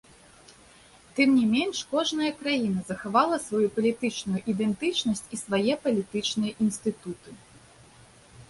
Тым не менш, кожная краіна захавала сваю палітычную ідэнтычнасць і свае палітычныя інстытуты.